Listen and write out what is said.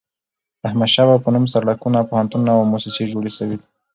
د احمد شاه بابا په نوم سړکونه، پوهنتونونه او موسسې جوړي سوي دي.